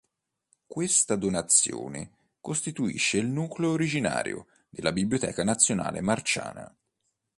Questa donazione costituisce il nucleo originario della Biblioteca nazionale Marciana.